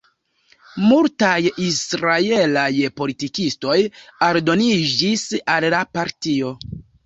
Multaj israelaj politikistoj aldoniĝis al la partio.